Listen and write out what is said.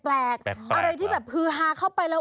แปดแปลกเหรออะไรที่แบบฮือฮาเข้าไปแล้ว